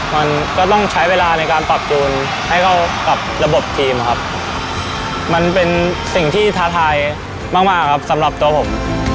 มันก็ต้องใช้เวลาในการปรับจูนให้เข้ากับระบบทีมครับมันเป็นสิ่งที่ท้าทายมากมากครับสำหรับตัวผม